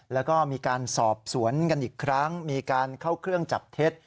แล้วก็มีการสอบสวนกันอีกครั้งมีการเข้าเครื่องจับเท็จ